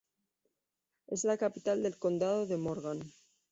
Es la capital del condado de Morgan.